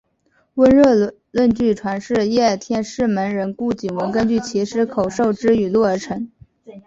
温热论据传是叶天士门人顾景文根据其师口授之语录而成。